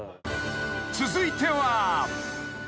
［続いては］